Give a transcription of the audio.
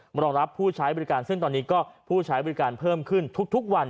รองรับผู้ใช้บริการซึ่งตอนนี้ก็ผู้ใช้บริการเพิ่มขึ้นทุกวัน